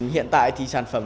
hiện tại thì sản phẩm